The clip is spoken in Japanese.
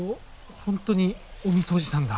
本当にお見通しなんだ。